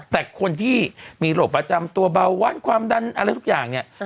แต่คนที่มีโรคประจำตัวเบาหวานความดันอะไรทุกอย่างเนี่ย